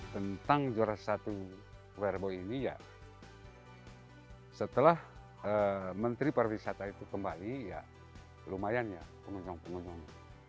tentang juara satu werebo ini ya setelah menteri pariwisata itu kembali ya lumayan ya pengunjung pengunjung